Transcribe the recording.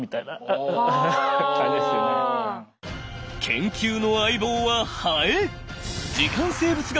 研究の相棒はハエ！